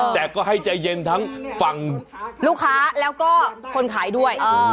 แต่ก็ให้ใจเย็นทั้งฝั่งลูกค้าแล้วก็คนขายด้วย